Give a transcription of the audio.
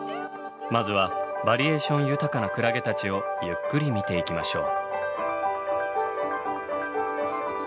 まずはバリエーション豊かなクラゲたちをゆっくり見ていきましょう。